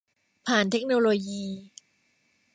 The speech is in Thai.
ผ่านเทคโนโลยี